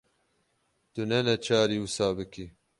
Tu ne neçarî wisa bikî.